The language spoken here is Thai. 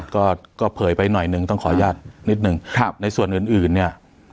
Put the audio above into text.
ก็ก็เผยไปหน่อยหนึ่งต้องขออนุญาตนิดนึงครับในส่วนอื่นอื่นเนี่ย